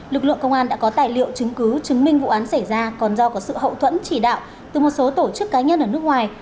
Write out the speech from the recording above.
lực lượng công an đã có tài liệu chứng cứ chứng minh vụ án xảy ra còn do có sự hậu thuẫn chỉ đạo từ một số tổ chức cá nhân ở nước ngoài